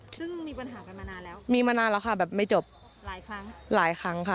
ปืนมีมันแล้วค่ะแบบไม่จบหลายครั้งค่ะ